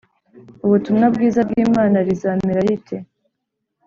ubutumwa bwiza bw Imana rizamera rite